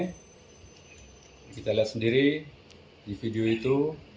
kita lihat sendiri di video itu